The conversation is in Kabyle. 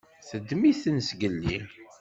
Teddem-iten zgelli.